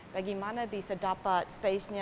bagaimana bisa dapat spasenya